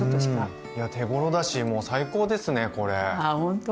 手ごろだし最高ですねこれ！ほんと？